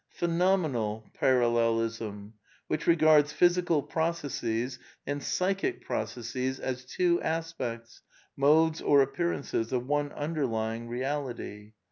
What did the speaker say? Phenomenal Parallelism, which regards physical proc esses and psychic processes as two aspects, modes or appearances of one underlying Reality.